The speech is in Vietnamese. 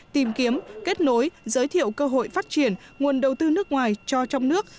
tìm kiếm kết nối giới thiệu cơ hội phát triển nguồn đầu tư nước ngoài cho trong nước